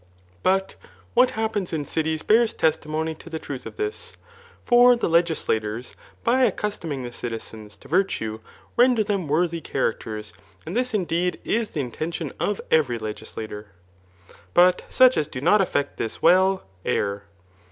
But what happens in cities bears testimony to the truth jof this. For the legislators by accustoming the ^:itisen6 [to virtue,] render them worthy charactei^'; 'and this indeed is the intention of every Jegislator ; but such as 4o not effect this well, err.